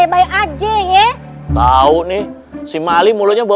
bu haji ini mau balik lagi nunggu angkot